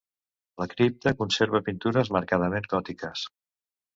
La cripta conserva pintures marcadament gòtiques.